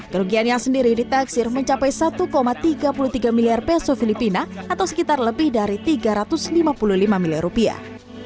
kerugiannya sendiri ditaksir mencapai satu tiga puluh tiga miliar peso filipina atau sekitar lebih dari tiga ratus lima puluh lima miliar rupiah